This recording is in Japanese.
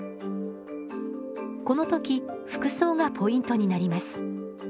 この時服装がポイントになります。